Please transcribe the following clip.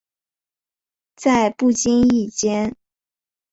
在不经意间